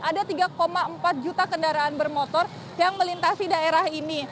ada tiga empat juta kendaraan bermotor yang melintasi daerah ini